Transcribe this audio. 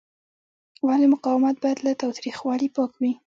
ولې مقاومت باید له تاوتریخوالي پاک وي؟